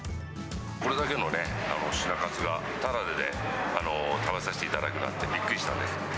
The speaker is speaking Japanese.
これだけのね、品数がただで食べさせていただけるなんて、びっくりしたんです。